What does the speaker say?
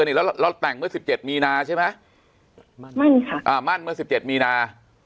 เราเพิ่งเจอกันอีกแล้วเราแต่งเมื่อ๑๗มีนาใช่ไหมมั่นค่ะมั่นเมื่อ๑๗มีนา